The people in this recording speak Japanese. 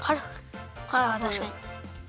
ああたしかに。